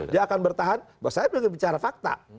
dia akan bertahan bahwa saya berbicara fakta